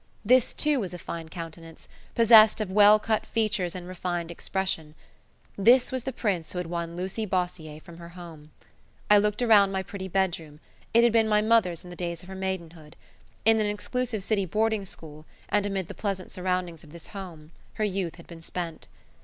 This, too, was a fine countenance, possessed of well cut features and refined expression. This was the prince who had won Lucy Bossier from her home. I looked around my pretty bedroom it had been my mother's in the days of her maidenhood. In an exclusive city boarding school, and amid the pleasant surroundings of this home, her youth had been spent.